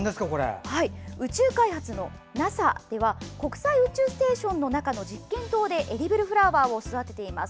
宇宙開発のＮＡＳＡでは国際宇宙ステーションの中の実験棟で、エディブルフラワーを育てています。